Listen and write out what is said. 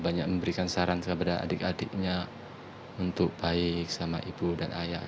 banyak memberikan saran kepada adik adiknya untuk baik sama ibu dan ayah